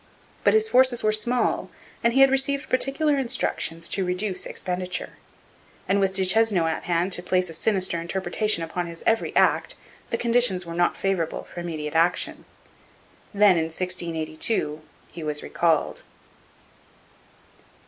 But his forces were small and he had received particular instructions to reduce expenditure. And, with Duchesneau at hand to place a sinister interpretation upon his every act, the conditions were not favourable for immediate action. Then in 1682 he was recalled.